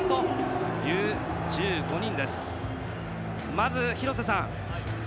まず、廣瀬さん